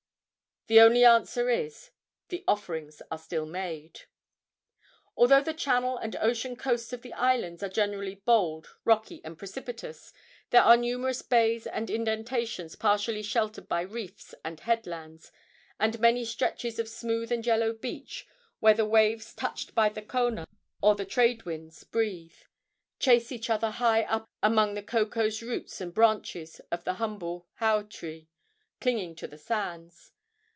The only answer is, "The offerings are still made." Although the channel and ocean coasts of the islands are generally bold, rocky and precipitous, there are numerous bays and indentations partially sheltered by reefs and headlands, and many stretches of smooth and yellow beach, where the waves, touched by the kona, or the trade wind's breath, chase each other high up among the cocoa's roots and branches of the humble hau tree clinging to the sands.